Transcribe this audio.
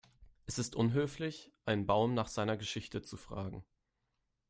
Es ist unhöflich, einen Baum nach seiner Geschichte zu fragen.